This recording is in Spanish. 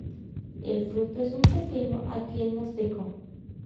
El fruto es un pequeño aquenio seco.